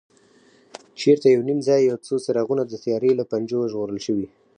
چېرته یو نیم ځای یو څو څراغونه د تیارې له پنجو ژغورل شوي.